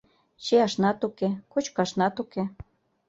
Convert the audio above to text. Чияшнат уке, кочкашнат уке.